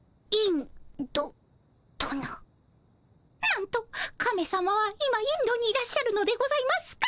なんとカメさまは今インドにいらっしゃるのでございますか？